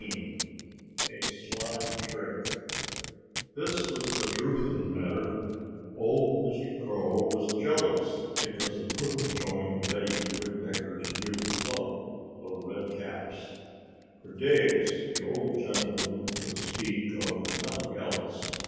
*XVI* *A SLY TRICK* This was the truth of the matter: Old Mr. Crow was jealous because he couldn't join Reddy Woodpecker's new club, The Redcaps. For days the old gentleman could speak of nothing else.